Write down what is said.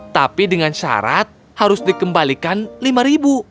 tapi dengan syarat harus dikembalikan lima ribu